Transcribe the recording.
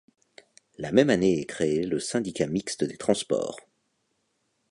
La même année est créé le syndicat mixte des transports.